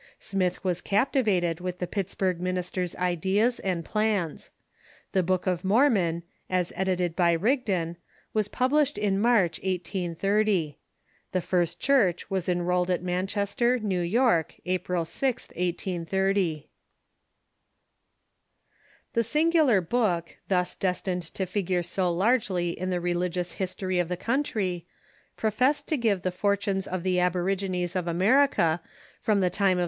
Smith was captivated with the Pittsburgh minister's ideas and plans. The " Book of Mor mon," as edited by Rigdon, was published in March, 1830. The first Church was enrolled at Manchester, New York, April Gth, 1830. The singular book, thus destined to figure so largely in the religious historj^of the country, professed to give the fortunes of the aborigines of America from the time of ^*'m„'!